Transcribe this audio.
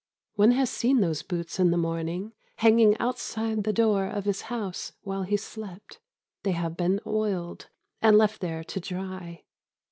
One has seen those boots in the morning hanging outside the door of his house while he slept. They have been oiled, and left there to dry.